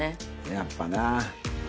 やっぱな。